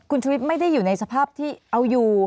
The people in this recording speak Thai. คุณชุวิตไม่ได้อยู่ในสภาพที่เอาอยู่